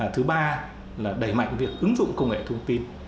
thứ ba là đẩy mạnh việc ứng dụng công nghệ thông tin